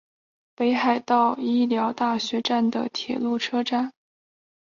北海道医疗大学站的铁路车站。